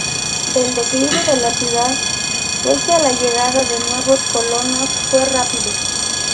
El declive de la ciudad, pese a la llegada de nuevos colonos, fue rápido.